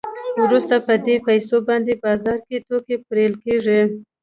وروسته په دې پیسو باندې بازار کې توکي پېرل کېږي